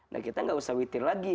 nah kita nggak usah witir lagi